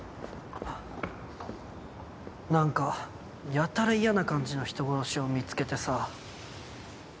何かやたら嫌な感じの人殺しを見つけてさ。